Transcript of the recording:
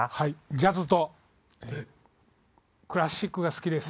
ジャズとクラシックが好きです。